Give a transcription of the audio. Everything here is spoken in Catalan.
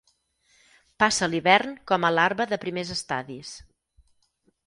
Passa l'hivern com a larva de primers estadis.